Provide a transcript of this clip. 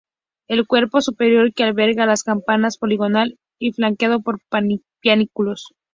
El cuerpo superior que alberga las campanas, poligonal y flanqueado por pináculos.